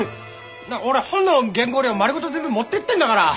俺本の原稿料丸ごと全部持ってってんだから！